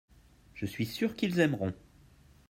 je suis sûr qu'ils aimeront.